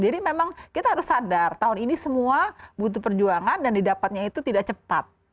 jadi memang kita harus sadar tahun ini semua butuh perjuangan dan didapatnya itu tidak cepat